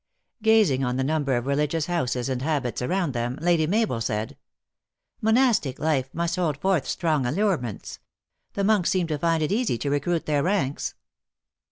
Gazing on the number of religious houses and habits around them, Lady Mabel said: "Monastic life must hold forth strong allurements. The monks seem to find it easy to recruit their ranks."